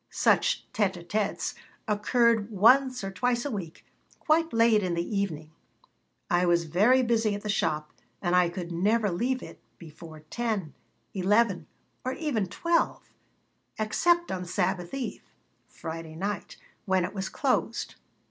Such tête à têtes occurred once or twice a week, quite late in the evening. I was very busy at the shop and I could never leave it before 10, 11, or even 12, except on Sabbath eve (Friday night), when it was closed.